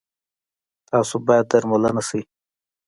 تاسو باید درملنه شی